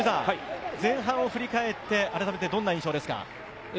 前半を振り返ってどんな印象ですか？